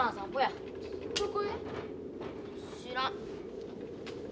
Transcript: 知らん。